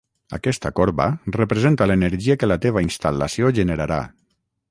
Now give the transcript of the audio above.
Aquesta corba representa l'energia que la teva instal·lació generarà